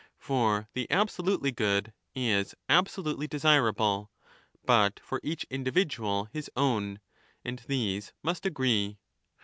For the absolutely good is absolutely desirable, but for each 1237* individual his own ; and these must agree.